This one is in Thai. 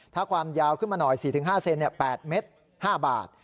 ถ้าความยาวขึ้นมาหน่อย๔๕เซน๘เมตร๕บาท